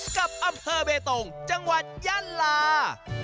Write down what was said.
กับอำเภอเบตงจังหวัดยะลา